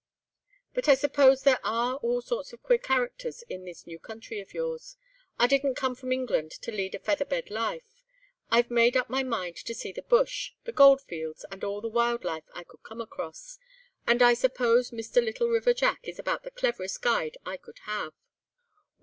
"But I suppose there are all sorts of queer characters in this new country of yours. I didn't come from England to lead a feather bed life. I've made up my mind to see the bush, the goldfields, and all the wild life I could come across, and I suppose Mr. Little River Jack is about the cleverest guide I could have."